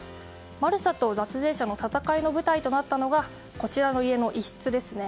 マルサと脱税者の戦いの舞台となったのがこちらの家の一室です。